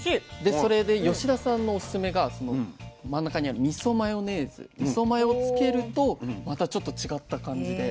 それで田さんのオススメがその真ん中にあるみそマヨネーズみそマヨをつけるとまたちょっと違った感じで。